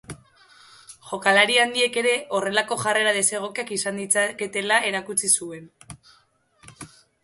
Jokalari handiek ere horrelako jarrera desegokiak izan ditzaketela erakutsi zuen.